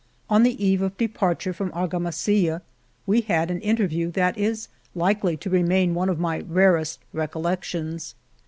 On the eve of departure from Argamasilla we had an interview that is likely to remain one of my rarest recollections.